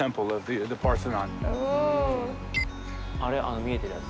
あれあの見えてるやつ。